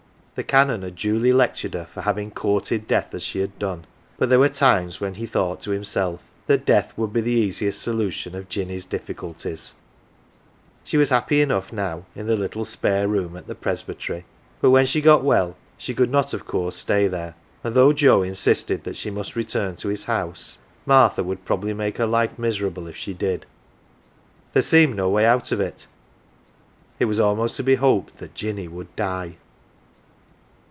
The Canon had duly lectured her for having courted death as she had done, but there were times when he thought to himself that death would be the easiest solution of Jinny's difficulties. 167 AUNT JINNY She was happy enough now in the little " spare room "" at the Presbytery ; but when she got well she could not, of course, stay there ; and though Joe insisted that she must return to his house, Martha would probably make her life miserable if she did. There seemed no way 'out of it it was almost to be hoped that Jinny would die.